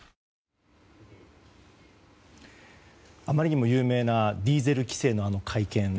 あまりにも有名なディーゼル規制の会見